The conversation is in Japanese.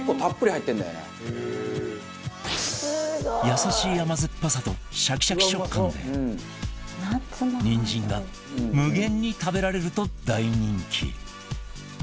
優しい甘酸っぱさとシャキシャキ食感でニンジンが無限に食べられると大人気